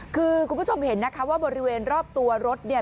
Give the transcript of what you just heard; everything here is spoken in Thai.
คือคุณผู้ชมเห็นนะคะว่าบริเวณรอบตัวรถเนี่ย